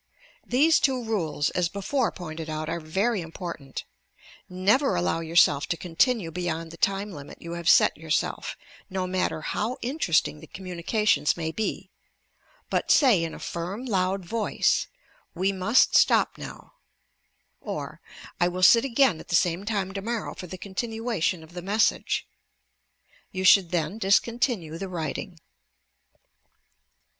These two rules, as before pointed out, are very im portant. Never allow yourself to continue beyond the time limit you have set yourself, no matter how in teresting the communications may be, but say in a firm, loud voice, "We must stop now," or "I will .sit again at the same time tomorrow for the continuation of the message." You should then discontinue the writing.